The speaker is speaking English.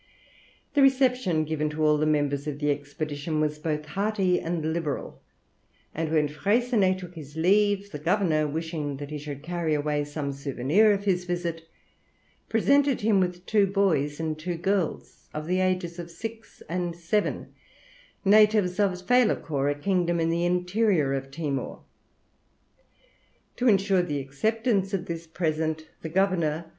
The reception given to all the members of the expedition was both hearty and liberal, and when Freycinet took his leave, the governor, wishing that he should carry away some souvenir of his visit, presented him with two boys and two girls, of the ages of six and seven, natives of Failacor, a kingdom in the interior of Timor. To insure the acceptance of this present, the governor, D.